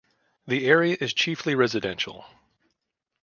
The area is chiefly residential.